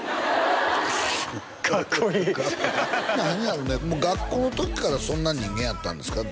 かっこいいハハハハ学校の時からそんな人間やったんですか？